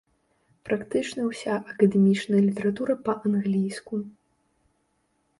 Практычна ўся акадэмічная літаратура па-англійску.